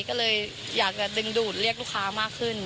ก็เลยอยากจะดึงดูดเรียกลูกค้ามากขึ้น